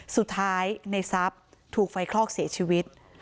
สุดท้ายนายซับถูกไฟคลอกเสียชีวิต